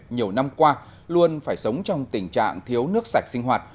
nhiều năm qua luôn phải sống trong tình trạng thiếu nước sạch sinh hoạt